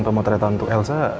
pemotretan untuk elsa